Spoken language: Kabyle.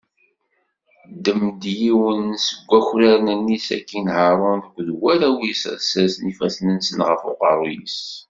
Ddem-d yiwen seg wakraren-nni, sakin Haṛun akked warraw-is ad sersen ifassen-nsen ɣef uqerru-s.